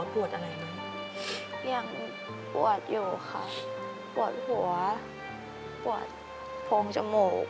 ปวดอยู่ครับปวดหัวปวดโผงจมูก